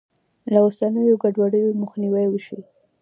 له اوسنیو ګډوډیو مخنیوی وشي.